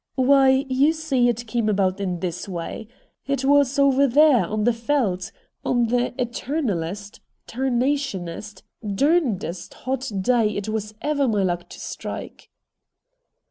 ' Why, you see, it came about in this way. It was over there on the Veldt, on the eternalest, tarnationest, derndest hot day it was ever my luck to strike.'